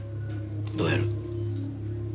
どうやる？